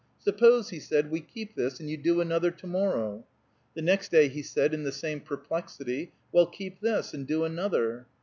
"Suppose," he said, "we keep this, and you do another to morrow." The next day he said, in the same perplexity, "Well, keep this, and do another."